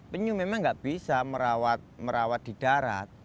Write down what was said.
penyu memang nggak bisa merawat di darat